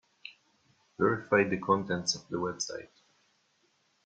Verify the contents of the website.